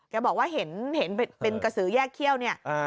แกบอกว่าเห็นเป็นกระสือแยกเขี้ยวเนี่ย